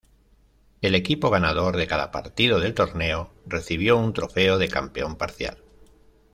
El equipo ganador de cada partido del torneo recibió un trofeo de campeón parcial.